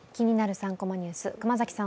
３コマニュース」、熊崎さん